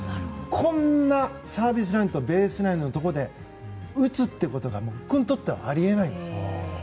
こんなサービスラインとベースラインのところで打つというのが僕にとってあり得ないんです。